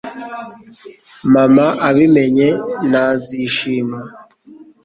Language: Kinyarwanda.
Mama abimenye ntazishima